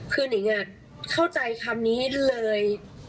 คือนิงเข้าใจคำนี้เลย